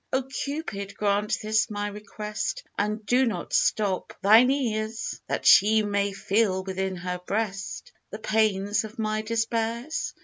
O Cupid, grant this my request, And do not stop thine ears, That she may feel within her breast The pains of my despairs!